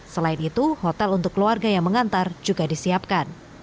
selain itu hotel untuk keluarga yang mengantar juga disiapkan